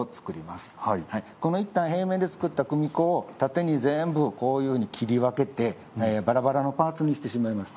このいったん平面で作った組子を縦に全部こういうふうに切り分けてバラバラのパーツにしてしまいます。